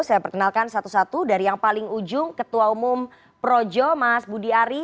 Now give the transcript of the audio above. saya perkenalkan satu satu dari yang paling ujung ketua umum projo mas budi ari